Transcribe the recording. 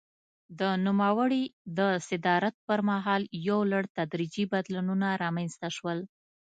د نوموړي د صدارت پر مهال یو لړ تدریجي بدلونونه رامنځته شول.